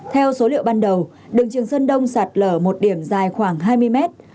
theo số liệu ban đầu đường trường sơn đông sạt lở một điểm dài khoảng hai mươi mét